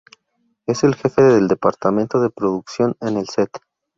Es el jefe del departamento de producción en el "set".